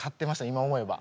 今思えば。